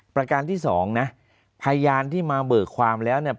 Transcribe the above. ประการที่สองนะพยานที่มาเบิกความแล้วเนี่ย